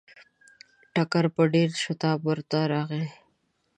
ټکر په ډېر شتاب ورته راغی.